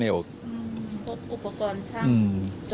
พบอุปกรณ์ช่าง